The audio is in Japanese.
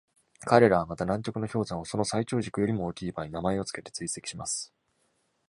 彼らはまた、南極の氷山をその最長軸よりも大きい場合、名前を付けて追跡します。